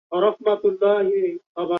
তো, পুলিশের কাছে না গেলে, আর কোথায় যাব?